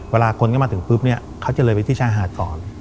เวลาคนก็มาถึงปุ๊บเนี่ยเขาจะเลยไปที่ชายหาดก่อน